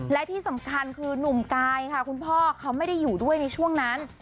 และที่สำคัญคือนุ่มกายค่ะคุณพ่อเขาไม่ได้อยู่ด้วยในช่วงนั้น